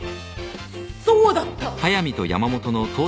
そうだった。